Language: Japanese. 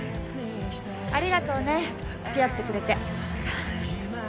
ありがとうね付き合ってくれて。